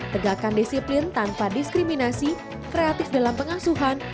tegakkan disiplin tanpa diskriminasi kreatif dalam pengasuhan